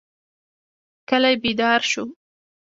کلی بیدار شو.